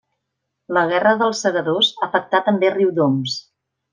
La Guerra dels Segadors afectà també Riudoms.